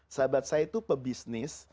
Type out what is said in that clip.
sahabat saya itu pebisnis